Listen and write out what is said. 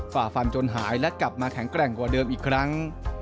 ฝ่าฟันจนหายและกลับมาแข็งแกร่งกว่าเดิมอีกครั้ง